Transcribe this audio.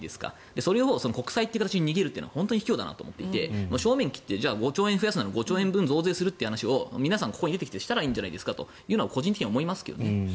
それを国債という形に逃げるのは本当に卑怯だなと思っていて正面切って５兆円なら５兆円分増税しますって皆さんここに出てしたらいいんじゃないですかというのを個人的には思いますね。